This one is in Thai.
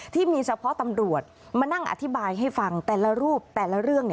ที่มีเฉพาะตำรวจมานั่งอธิบายให้ฟังแต่ละรูปแต่ละเรื่อง